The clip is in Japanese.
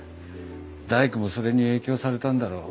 大工もそれに影響されたんだろう。